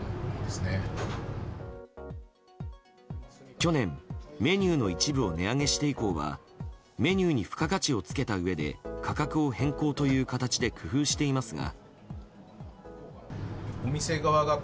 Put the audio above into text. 去年、メニューの一部を値上げして以降はメニューに付加価値をつけたうえで価格を変更という形で工夫していますが。